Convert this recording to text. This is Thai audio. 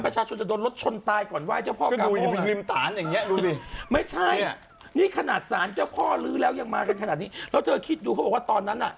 ชื่ออะไรนะที่ไปทุบศาลออกรายการบูนไนต์